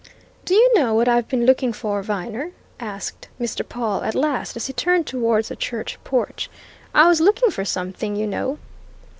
"Do you know what I've been looking for, Viner?" asked Mr. Pawle at last as he turned towards the church porch. "I was looking for something, you know."